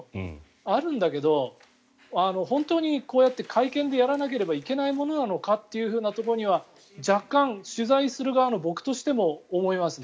あるんだけど、本当にこうやって会見でやらなければいけないものなのかというのは若干、取材する側の僕としても思いますね。